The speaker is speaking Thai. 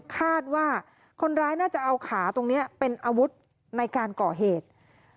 คาดว่าคนร้ายน่าจะเอาขาตรงนี้เป็นอาวุธในการก่อเหตุ